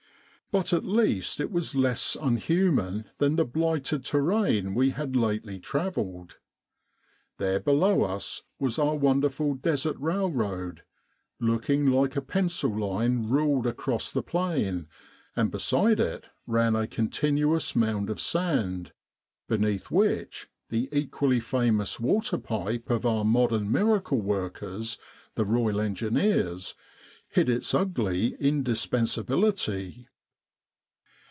But at least it was less un human than the blighted terrain we had lately travelled. There below us was our wonderful Desert railroad, looking like a pencil line ruled across the plain, and beside it ran a continuous mound of sand, beneath which the equally famous water pipe of our modern miracle workers, the Royal Engineers, hid its ugly indispensability.